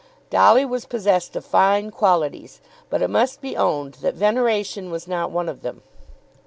Dolly was possessed of fine qualities, but it must be owned that veneration was not one of them.